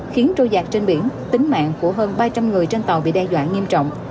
khiến trôi giạc trên biển tính mạng của hơn ba trăm linh người trên tàu bị đe dọa nghiêm trọng